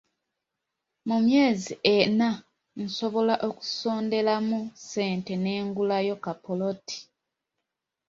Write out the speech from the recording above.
Mu myezi ena nsobola okusonderamu ssente ne ngulayo ka ppoloti.